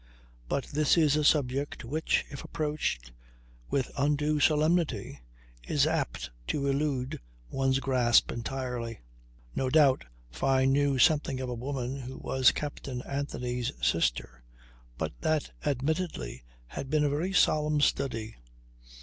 But this is a subject which, if approached with undue solemnity, is apt to elude one's grasp entirely. No doubt Fyne knew something of a woman who was Captain Anthony's sister. But that, admittedly, had been a very solemn study.